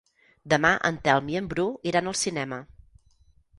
Demà en Telm i en Bru iran al cinema.